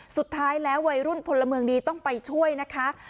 สุดท้ายแล้ววัยรุ่นพลเมืองดีต้องไปช่วยนะคะ